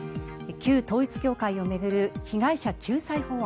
旧統一教会を巡る被害者救済法案。